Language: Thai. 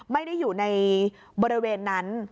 ไม่ได้อยู่ในบริเวณนั้น